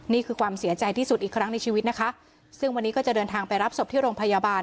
นี่คือความเสียใจที่สุดอีกครั้งในชีวิตนะคะซึ่งวันนี้ก็จะเดินทางไปรับศพที่โรงพยาบาล